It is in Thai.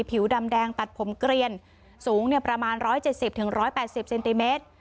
ผิวดำแดงตัดผมเกลียนสูงประมาณ๑๗๐๑๘๐เซนติเมตร